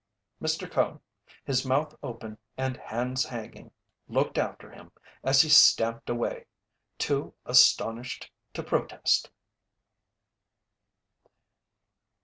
Mr. Cone, his mouth open and hands hanging, looked after him as he stamped away, too astonished to protest.